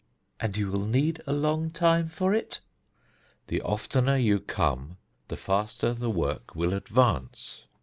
"And you will need a long time for it?" "The oftener you come the faster the work will advance."